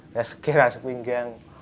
ya sekira sepinggang